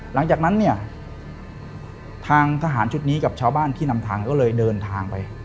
หลังจากนั้นเนี่ยทางทหารชุดนี้กับชาวบ้านที่นำทางก็เลยเดินทางไป